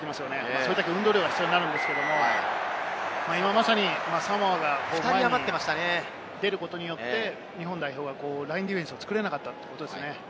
それだけ運動量が必要になるんですが、今まさにサモアが前に出ることによって日本代表がラインディフェンスを作れなかったということですね。